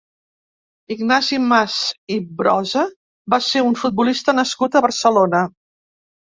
Ignasi Mas i Brosa va ser un futbolista nascut a Barcelona.